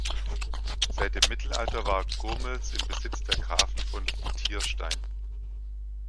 Seit dem Mittelalter war Gurmels im Besitz der Grafen von Thierstein.